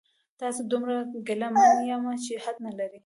د تاسو دومره ګیله من یمه چې حد نلري